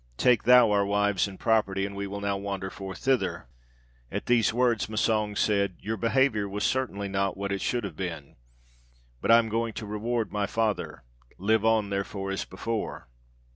take thou our wives and property, we will now wander forth further!' At these words Massang said, 'Your behaviour was certainly not what it should have been; but I am going to reward my father live on, therefore, as before.'